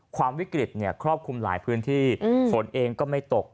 ความวิกฤตครอบคลุมหลายพื้นที่ฝนเองก็ไม่ตก